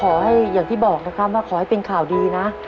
อย่างที่บอกนะครับว่าขอให้เป็นข่าวดีนะ